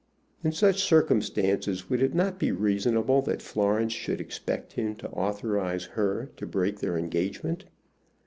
In such circumstances would it not be reasonable that Florence should expect him to authorize her to break their engagement?